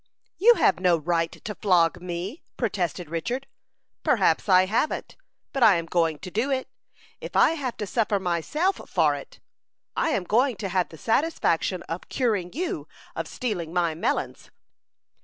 "You have no right to flog me," protested Richard. "Perhaps I haven't; but I'm going to do it, if I have to suffer myself for it. I am going to have the satisfaction of curing you of stealing my melons."